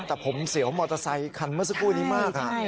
แต่ผมเสียวมอเตอร์ไซคันเมื่อสักครู่นี้มาก